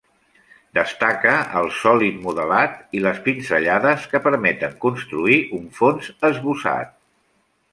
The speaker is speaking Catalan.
Destaca el sòlid modelat i les pinzellades, que permeten construir un fons esbossat.